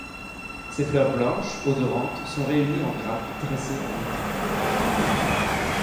Ses fleurs blanches, odorantes sont réunies en grappes dressées en été.